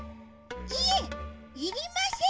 いえいりません。